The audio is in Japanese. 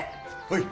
はい！